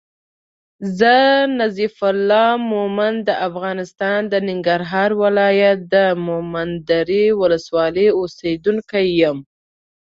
زه نظیف الله مومند د افغانستان د ننګرهار ولایت د مومندرې ولسوالی اوسېدونکی یم